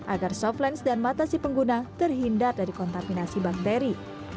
agar softlens dan mata si pengguna terhindar dari kontaminasi bakteri